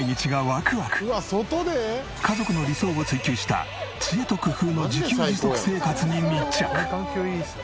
家族の理想を追求した知恵と工夫の自給自足生活に密着！